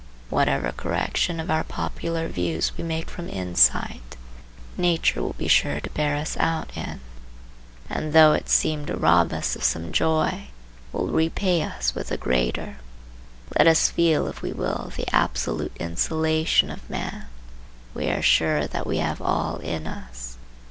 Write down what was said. Whatever correction of our popular views we make from insight, nature will be sure to bear us out in, and though it seem to rob us of some joy, will repay us with a greater. Let us feel if we will the absolute insulation of man. We are sure that we have all in us.